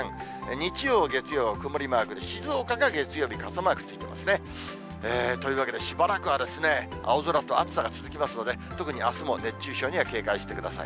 日曜、月曜、曇りマークで、静岡が月曜日傘マークついてますね。というわけで、しばらくは青空と暑さがつづきますので、特にあすも熱中症には警戒してください。